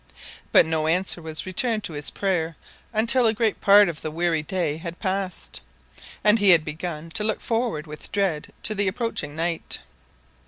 But no answer was returned to his prayer until a great part of the weary day had passed, and he had begun to look forward with dread to the approaching night.